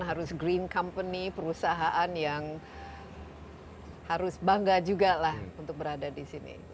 harus green company perusahaan yang harus bangga juga lah untuk berada di sini